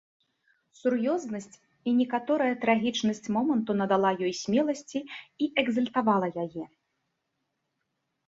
Сур'ёзнасць і некаторая трагічнасць моманту надала ёй смеласці, экзальтавала яе.